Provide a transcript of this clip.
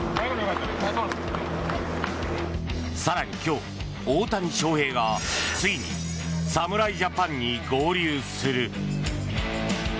更に今日、大谷翔平がついに侍ジャパンに合流する。